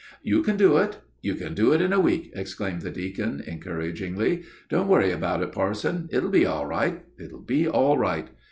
"You can do it you can do it in a week!" exclaimed the deacon encouragingly. "Don't worry about it, parson; it'll be all right, it'll be all right.